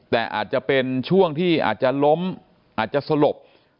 แต่อาจจะเป็นช่วงที่อาจจะล้มอาจจะสลบ